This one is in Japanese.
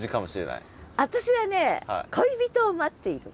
私はね恋人を待っている。